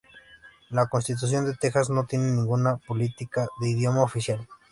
La constitución de Texas no tiene ninguna política de idioma oficial.